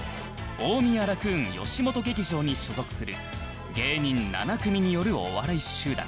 大宮ラクーンよしもと劇場に所属する芸人７組によるお笑い集団